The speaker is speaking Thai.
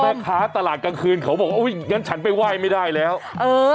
แม่ค้าตลาดกลางคืนเขาบอกว่าอุ้ยงั้นฉันไปไหว้ไม่ได้แล้วเออ